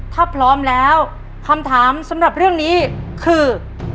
ถ้าพร้อมแล้วคำถามสำหรับเรื่องนี้คือ